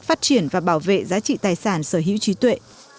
phát triển và bảo vệ giá trị tài sản sở hữu trí tuệ